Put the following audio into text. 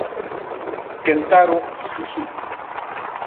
Kentaro Suzuki